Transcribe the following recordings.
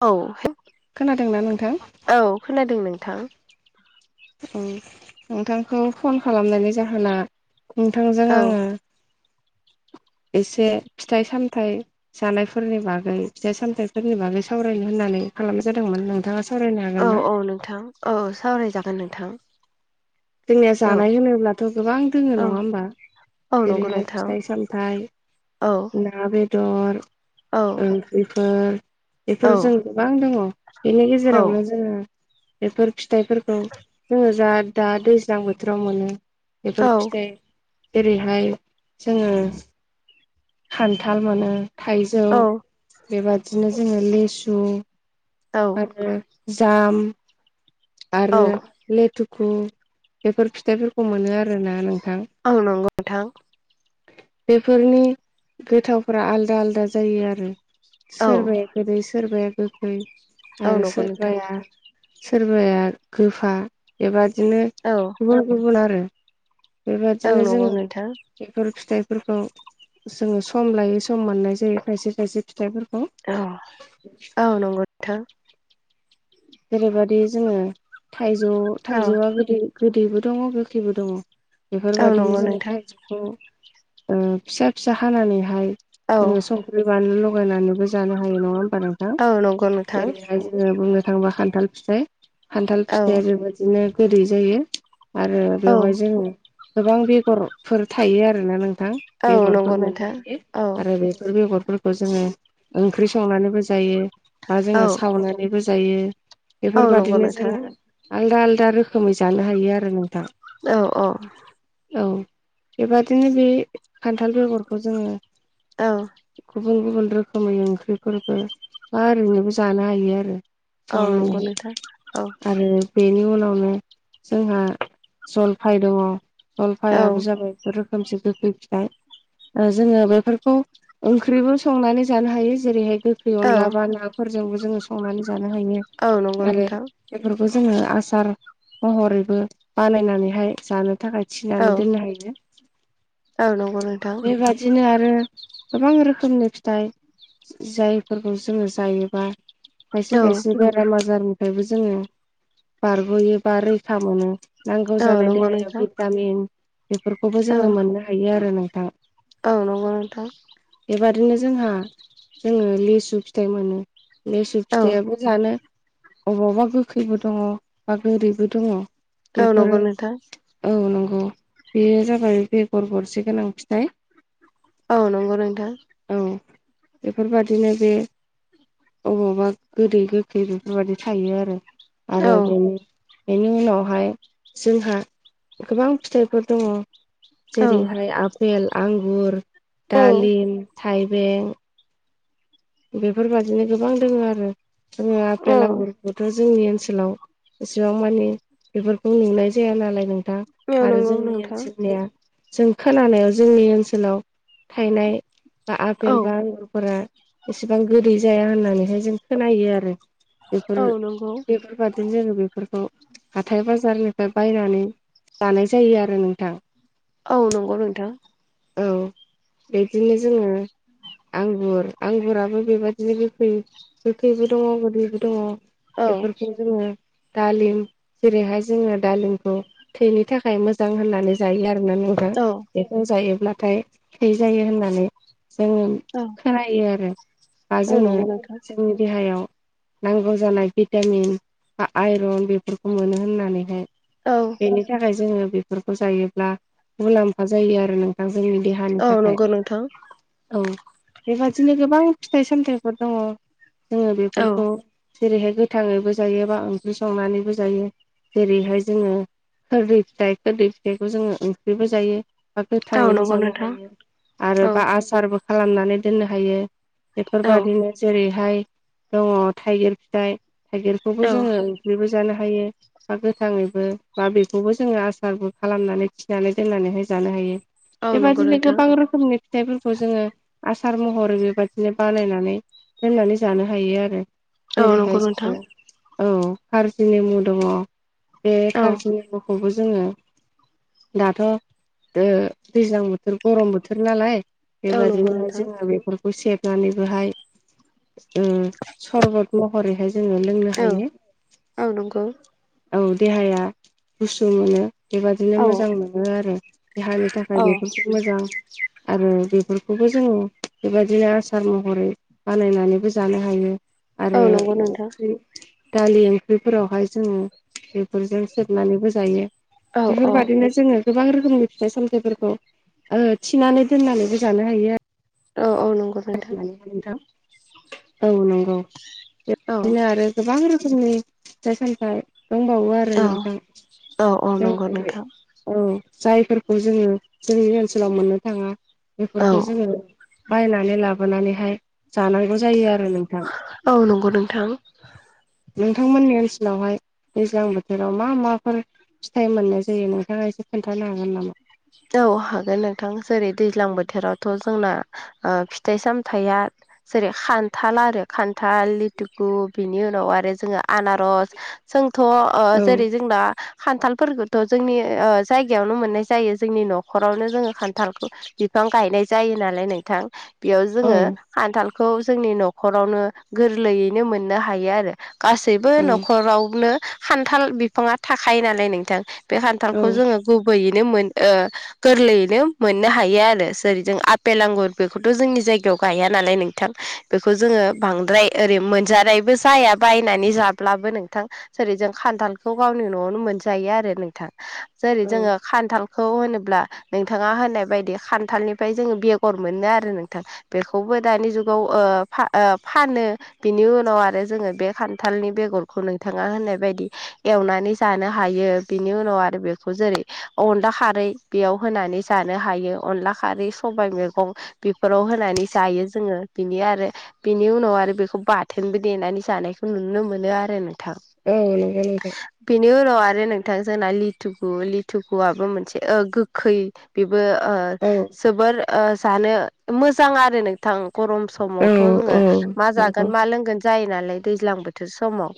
औ खोनादोंना नोंथां औ खोनादों नोंथां नोंथांखौ फन खालामनायनि जाहोना नोंथांजों औ आङो एसे फिथाइ सामथाय जानायफोरनि बागै फिथाइ सामथाइफोरनि बागै सावरायनो होननानै खालामनाय जादोंमोन नोंथाङा सावरायनो हागोन ना? औ-औ नोंथां औ सावरायजागोन नोंथां जोंनिया औ जानाय होनोब्लाथ' गोबां दोङो औ नङा होमबा औ नंगौ जेरैहाय नोंथां फिथाइ सामथाइ औ ना बेदर औ ओंख्रिफोर औ बेफोरजों गोबां दङ बेनि औ गेजेरावनो जोङो बेफोर फिथाइफोरखौ जोङो जा दा दैज्लां बोथोराव मोनो बेफोर फिथाइ जेरैहाय जोङो खान्थाल मोनो थाइजौ औ बेबादिनो जोङो लिसु औ आरो जाम औ आरो लेथुखु बेफोर फिथाइफोरखौ मोनो आरोना नोंथां औ नंगौ नोंथां बेफोरनि गोथावफोरा आलदा आलदा जायो आरो औ सोरबाया गोदै सोरबाया गोखै औ आरो नंगौ नोंथां सोरबाया सोरबाया गोफा बेबादिनो औ गुबुन गुबुन आरो औ बेबादिनो नंगौ जोंङो नोंथां बेफोर फिथाइफोरखौ जोंङो सम लायै सम मोननाय जायो खायसे खायसे फिथाइफोर औ-औ नंगौ नोंथां जेरैबदि जोङो थाइजौ औ थाइजौआ गोदि गोदैबो दङ गोखैबो दङ औ बेफोरबायदिनो नंगौ जोङो नोंथां थाइ फिसा फिसा हानानैहाय औ जोङो स ख्रै बानलु लगायनानैबो जानो हायो नङा होमबा नोंथां औ नंगौ नोंथां जेरैहाय जोङो बुंनो थाङोबा खान्थाल फिथाइ खान्थाल औ फिथाया बेबायदिनो गोदै जायो आरो औ बेवहाय जोङो गोबां बेगरफोर थायो आरोना नों औ बेगरफोर नंगौ मोननो नोंथां हायो औ आरो बे बेफोर बेगरफोरखौ जोंङो ओंख्रि संनानैबो जायो बा जोंङो औ सावनानैबो जा जायो औ नंगौ बेफोरबादिनो नोंथां जोंङो आलदा आलदा रोखोमै जानो हायो आरो नोंथां औ-औ औ बेबादिनो बे खान्थाल बेगरखौ जोंङो औ गुबुन गुबुन रोखोमै ओंख्रिफोरखौ मा ओरैनोबो जानो हायो आरो औ नंगौ सावनानै नोंथां औ आरो बेनि उनावनो जोंहा जलफाय दंङो औ जलफायाबो जाबाय रोखोमसो गोखै फिथाय जोंङो बेफोरखौ ओंख्रिबो संनानै जानो हायो जेरैहाय थ्रि औ अनला बा नाफोरजोंबो जोंङो संनानै जानो हायो औ नंगौ आरो नोंथां बेफोरखौ जोंङो आसार महरैबो बानायनानैहाय जानो थाखाय औ थनानै दोननो हायो औ नंगौ नोंथां बेबादि नो आरो गोबां रोखोमनि फिथाइ जायफोरखौ जोंङो जायोबा खायसे औ खायसे बेराम आजारनिफ्रायबो जोंङो बारग'यो बा रैखा मोनो नांगौ औ जानाय नंगौ देहायाव नोंथां भिटामिन बेफोरखौबो जोंङो मोननो हायो आरो नोंथां आं नंगौ नोंथां बेबादिनो जोंहा जोंङो लेसु फिथाइ मोनो लेसु औ फिथायाबो जानो अबावबा गोखैबो दंङो बा गोदैबो दंङो औ बेफोरो नंगौ नोंथां औ नंगौ बेयो जाबाय बेगर गरसे गोनां फिथाइ औ नंगौ नोंथां। औ बेफोरबादिनो बे अबावबा गोदै गोखै बेफोरबायदि थायो आरो औ आरो बेनो बेनि उनावहाय जोंहा गोबां फिथाइफोर दंङ। औ जेरैहाय आफपेल आंगुर औ दालिम थाइबें बेफोरबायदिनो गोबां दंङ आरो जोङो औ आफपेल आंगुरखौ जोंनि ओनसोलाव एसेबां मानि बेफोरखौ नुनाय जाया नालाय नोंथां औ आरो नंगौ जोंनि नोंथां ओनसोलनिया जों खोनानायाव जोंनि ओनसोलाव थाइनाय बा औ आफेल बा आंगुरफोरा एसेबां गोलै जाया होननानैहाय जों खोनायो आरो। बेफोर औ नंगौ बेफोरबादिनो जोंङो बेफोरखौ हाथाय बाजारनिफ्राय बायनानै जानाय जायो आरो नोंथां। औ नंगौ नोंथां। औ बिदिनो जोंङो आंगुर आंगुराबो बेबायदिनो गोखै गोखैबो दङ गोदैबो दङ औ बेफोरखौ जोङो दालिम जेरैहाय जोङो दालिमखौ थैनि थाखाय मोजां होननानै जायो आरोना नों थां औ बेखौ जायोब्लाथाय थै जायो होननानै जोंनि औ खोनायो आरो बा औ जोङो नंगौ नोंथां जोंनि देहायाव नांगौ जानाय भिटामिन बा आइरन बेफोरखौ मोनो होननानैहाय औ बेनि थाखाय जोंङो बेफोरखौ जायोब्ला मुलाम्फा जायो आरो नों जोंनि देहानि औ थाखाय। नंगौ नोंथां औ बेबादिनो गोबां फिथाइ सामथाइफोर दङ जोंङो बेफोरखौ औ जेरैहाय गोथांङैबो जायो बा ओंख्रि संनानैबो जायो जेरैहाय जोंङो खोरदै फिथाइ खोरदै फिथाइखौ जोंङो ओंख्रिबो जायो बा औ थाङैबो नंगौ जानो नोंथां हायो आरो औ बा सारबो खालामनानै दोननो हायो औ बेफोरबायदिनो जेरैहाय दंङो थाइगिर फिथाइ थाइगिरखौबो जोंङो ओंख्रिबो जानो हायो बा गोथाङैबो बा बेखौबो जोङो आसारबो खालामनानै थिनानै दोननानैहाय जानो हायो। औ नंगौ बेबायदिनो नोंथां गोबां रोखोमनि फिथाइफोरखौ जोङो आसार महरै बेबायदिनो बानायनानै दोननानै जानो हायो आरो। औ नंगौ जेरैहाय जोङो नोंथां औ कारजि नेमु दङ। बे औ कारजि नेमु खौबो जोङो दाथ' ओ दैज्लां बोथोर गरम बोथोर नालाय औ नंगौ बेबादिनोहाय नोंथां जोङो बेफोरखौ सेबनानैबोहाय उम सरबतल' हरैहाय जोङो लोंनो औ हायो। औ नंगौ औ देहाया गुसु मोनो बेबादिनो औ मोजां मोनो आरो देहानि था खाय औ बेफोरखो मोजां आरो बेफोरखौबो जोङो बेबायदिनो आसार महरै बानायनानैबो जानो हायो औ आरो नंगौ नोंथां ओंख्रि दालि ओंख्रिफोरावहाय जोङो बेफोरजों सेबनानैबो जायो औ बेफोर औ बादिनो जोङो गोबां रोखोमनि फिथाइ सामथायाइफोरखौ ओ थिनानै दोननानैबो जानो हायो आ औ औ नं‌ [inaudible] नोंथां औ नंगौ औ बेदिनो आरो गोबां रोखोमनि फिथाइ सामथाय दंबावो आरो औ नोंथां औ औ जों नंगौ नोंथां औ जायफोरखौ जोङो जोंनि ओनसोलाव मोननो थाङा औ बेफोरखौ जोङो बायनानै लाबोनानैहाय जानांगौ जायो आरो नोंथां। औ नंगौ नोंथां नोंथांमोननि ओनसोलावहाय दैज्लां बोथोराव मा माफोर फिथाइ मोननाय जायो नोंथाङा एसे खोन्थानो हागोन नामा? औ हागोन नोंथां जेरै दैज्लां बोथोरावथ' जोंना ओ फिथाइ सामथाइया जेरै खान्थाल आरो खान्थाल लिथुकु बिनि उनाव आरो जोङो आनारस जोंथ' ओ औ जेरै जोंना खान्थालफोरखोथ' जोंनि ओ जायगायावनो मोननाय जायो जोंनि न'खरावनो जोङो खान्थालखौ बिफां गायनाय जायो नालाय नोंथां बेयाव औ जोङो खान्थालखौ जोंनि न'खरावनो गोरलैयैनो मोननो हायो आरो गासैबो न'खरावनो खान्थाल बिफाङा थाखायो नालाय नोंथां बे खान्थालखौ औ जोङो गुबैयैनो मोन ओ गोरलैयैनो मोननो हायो आरो जेरै जों आफेल आंगुर बेखौथ' जोंनि जायगायाव गाया नालाय नोंथां बेखौ जोङो बांद्राय ओरै मोनजानायबो जाया बायनानै जाब्लाबो नोंथां जेरै जों खान्थालखौ गावनि न'आवनो मोनजायो आरो नोंथां जेरै जोङो खान्थाल खौ होनोब्ला नोंथाङा होनाय बायदि खान्थालनिफ्राय जोङो बेगर मोनो आरो नोंथां। बेखौबो दानि जुगाव ओ फा ओ फानो बिनि उनाव आरो जोङो बे खान्थालनि बेगरखौ नोंथाङा होननाय बायदि एवनानै जानो हायो बिनि उनाव आरो बेखौ जेरै अनदला खारै बेयाव होनानै जानो हायो अनला खारै सबाइ मैगं बेफोराव होनानै जायो जोङो बिनि आरो बेनि उनाव आरो बेखौ बाथोनबो देनानै जानायखौ नुनो मोनो आरो नोंथां औ नंगौ नोंथां बेनि उनाव आरो नोंथां जोंना लिथुगु लिथुगुआबो मोनसे ओ गोखै बेबो ओ औ जोबोर ओ जानो मोजां आरो नोंथां गरम औ समावथ' जोङो मा नंगौ जागोन मा लोंगोन जायो नालाय दैज्लां बोथ थो समाव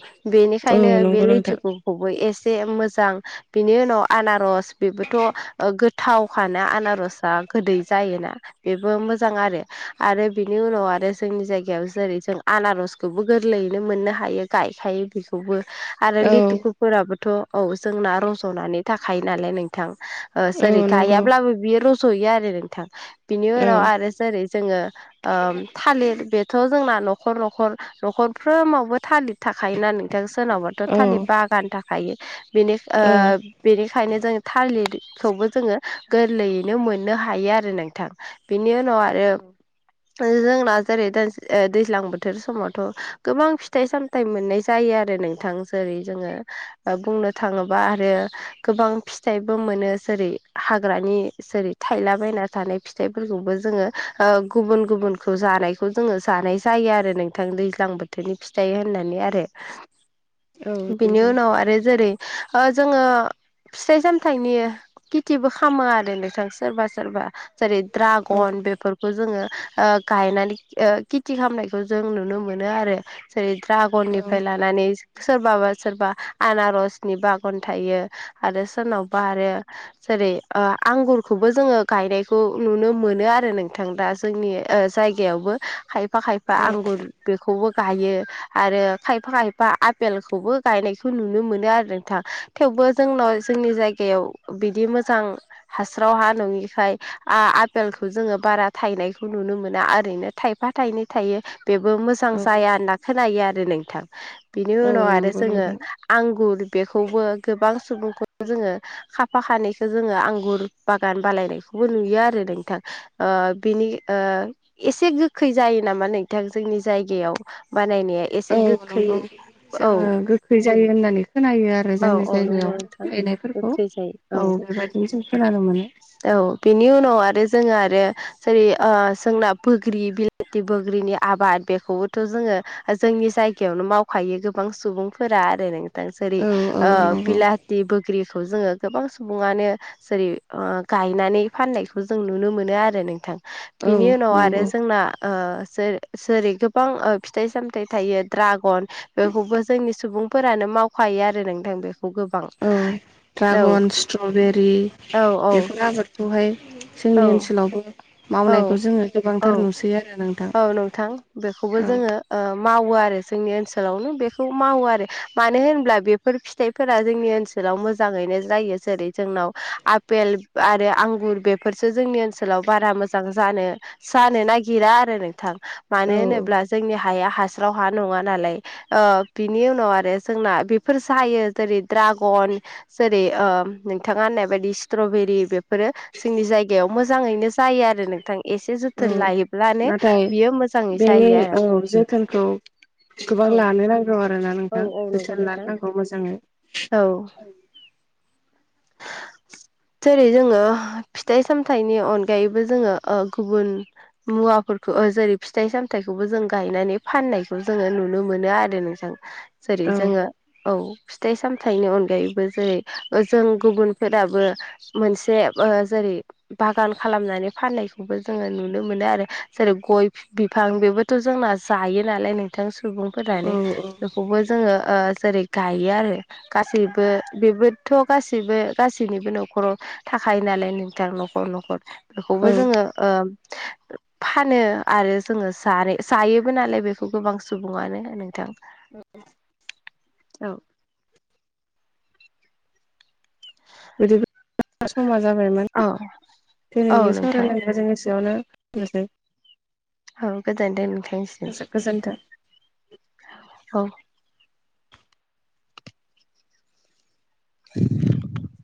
औ बेनिखायनो बे नंगौ नोंथां लिथिगु खौबो एसे मोजां बिनि उनाव आनारस बेबो थ' गोथावखानो आनारसआ गोदै जायोना बे मोजां आरो आरो बिनि उनाव आरो जोंनि जायगायाव जेरै जों आनारस बेखौबो गोरलैयैनो मोननो हायो गायखायो बेखौबो आरो औ लिथुखुफोराबोथ' औ जोंना रज'नानै थाखायो नालाय नोंथां औ जेरै नंगौ गायाब्लाबो बियो रज'यो आरो नोंथां बिनि औ नंगौ औ उनाव आरो जेरै जोङो थालिर बेथ' जोंना न'खर न'खर न'खरफ्रोमावबो थालिर थाखायोना बिथां सोरनावबाथ' औ नंगौ थालिर बागान थाखायो बेनि औ बेनिखायनो जों थालिरखौबो जोङो गोरलैयैनो मोननो हायो आरो नोंथां बेनि उनाव आरो जोंना जेरै दैज्लां बोथोर समावथ' गोबां फिथाइ सामथाइ फिथाइ मोननाय जायो आरो नोंथां जेरै जोङो बुंनो थाङोब्ला आरो गोबां फिथाइबो मोनो जेरै हाग्रानि जेरै थायलाबायना थानाय फिथाइफोरखौबो जोङो गुबुन गुबुनखौ जानायखौ जोङो जानाय जायो आरो नोंथां दैज्लां बोथोरनि फिथाइ होननानै आरो [inaudible] बिनि उनाव आरो जेरै जोङो फिथाइ साम फिथाइनि खेथिबो खालामो आरो नोंथां सोरबा सोरबा जेरै औ द्रागन बे खौ जोङो गायनानै खेथि खालामनायखौ जों नुनो मोनो आरो जेरै ड्रागननिफ्राय लानानै सोरबाबा सोरबा आनारसनि बागान थायो आरो सोरनावबा आरो जेरै आंगुरखौबो जोङो गायनायखौ नुनो मोनो आरो नोंथां दा जोंनि जायगायावबो खायफा खायफा आंगुर बेखौबो गायो आरो खायफा खायफा आफेलखौबो गायनायखौ नुनो मोनो आरो नोंथां थेवबो जोंनाव जोंनि जायगायाव बिदि मोजां हास्राव हा नङिखाय आपेलखौ जोङो बारा थायनायखौ नुनो मोना ओरैनो थायफा थायनै थायो बेबो मोजां औ जाया होनना खोनायो आरो नोंथां बिनि औ उनाव आरो नंगौ जोङो नोंथां आंगुर बेखौबो गोबां सुबुंखौ जोङो खाफा खानैखौ जोङो आंगुर बागान बानायनायखौबो नुयो आरो नोंथां बिनि एसे गोखै जायो नामा नोंथां जोंनि जायगायाव बानायनाया एसे औ गोखै नंगौ औ जोङो गोखै जायो होननानै खोनायो आरो औ जोंनि औ नंगौ नोंथां जायगायाव एनायफोर खौ गोखै जायो औ बेबायदिनो जों खोनानो मोनो औ बिनि उनाव आरो जोङो आरो जेरै जोंना बैग्रि बिलाथि बोग्रिनि आबाद बेखौबोथ' जोङो जोंनि जायगायावनो मावखायो गोबां सुबुंफोरा आरो नों जेरै औ औ नंगौ बिलाथि बोग्रिखौ जोङो गोबां सुबुङानो जेरै गायनानै फाननायखौ जों नुनो मोनो आरो नोंथां औ बिनि उनाव आरो नंगौ जोंना ओ जेरै गोबां फिथाइ सामथाइ थायो ड्रागन बेखौबो जोंनि सुबुंफोरानो मावखायो आरो नोंथां बेखौ गोबां औ औ ड्रागन स्ट्रबेरि औ औ बेफोर आबादखौहाय औ जोंनि ओनसोलावबो मावनायखौ औ जोङो गोबांथार औ नुसै आरो नोंथां। औ नोंथां बेखौबो औ जोङो मावो आरो जोंनि ओनसोलावनो बेखौ मावो आरो मानो होनब्ला बेफोर फिथाइ फोरा जोंनि ओनसोलाव मोजाङैनो जायो जेरै जोंनाव आपेल आरो आंगुर बे फोरसो जोंनि ओनसोलाव बारा मोजां जानो जानो नागिरा आरो आरो नोंथां औ मानो होनोब्ला जोंनि हाया हास्राव हा नङा नालाय बिनि उनाव आरो जोंना बेफोर जायो जेरै ड्रागन जेरै नोंथाङा होननाय बायदि स्ट्रबेरि बे बेफोरो जोंनि जायगायाव मोजाङैनो जायो आरो नोंथां एसे जोथोन औ लायोब्लानो नाथाय बियो मोजाङै बेनि जायो आरो औ जोथोनखौ गोबां औ लानो नांगौ औ आरोना औ नोंथां औ नंगौ जोथोन लानो नोंथां नांगौ मोजाङै औ जेरै जोङो फिथाइ सामथाइनि अनगायैबो जोङो गुबुन मुवाफोरखौ जेरै फिथाइ सामथायखौबो जों गायनानै फाननायखौ जोङो नुनो मोनो आरो। जेरै औ जोङो औ फिथाइ सामथायनि अनगायैबो जेरै जों गुबुन फोराबो मोनसे जेरै ओ बागान खालामनानै फाननायखौबो जोङो नुनो मोनो आरो जेरै गय बिफां बेबोथ' जोंना जायो नालाय नोंथां औ सुबुंफोरानो बेखौबो जोङो जेरै गायो आरो गासैबो बेबोथ' गासैबो गासैनिबो न'खराव थाखायो नालाय नोंथां न'खर न'खर औ बेखौबो जोङो ओ फानो आरो जोङो जानो जायोबो नालाय बेखौ गोबां सुबुङानो नोंथां। [inaudible] औ बिदिब्ला समा जाबायमोन औ औ दिनैनि नोंथां सावरायलायखौ जों एसेयावनो दोननोसै औ गोजानथों नोंथांनिसिम गोजोन्थों औ [inaudible]